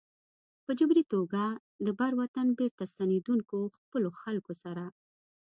په جبري توګه د بر وطن بېرته ستنېدونکو خپلو خلکو سره.